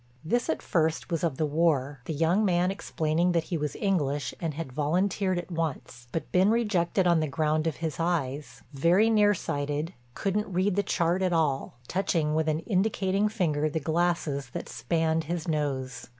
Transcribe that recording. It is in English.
This at first was of the war—the young man explaining that he was English and had volunteered at once, but been rejected on the ground of his eyes—very near sighted, couldn't read the chart at all—touching with an indicating finger the glasses that spanned his nose.